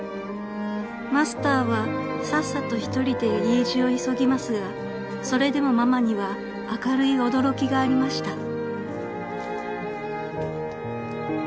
［マスターはさっさと１人で家路を急ぎますがそれでもママには明るい驚きがありました］